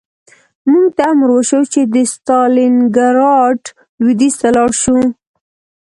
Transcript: موږ ته امر وشو چې د ستالینګراډ لویدیځ ته لاړ شو